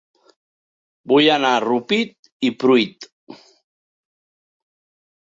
Vull anar a Rupit i Pruit